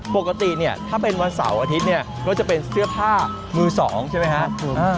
ปกติเนี่ยถ้าเป็นวันเสาร์อาทิตย์เนี่ยก็จะเป็นเสื้อผ้ามือสองใช่ไหมครับ